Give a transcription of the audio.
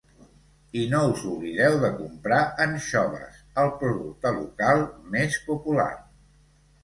I no us oblideu de comprar anxoves, el producte local més popular!